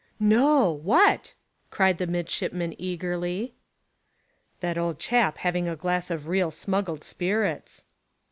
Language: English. "No! What?" cried the midshipman eagerly. "That old chap having a glass of real smuggled spirits."